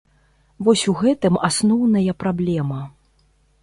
Вось у гэтым асноўная праблема.